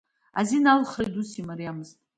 Азин алхрагьы ус мариамызт…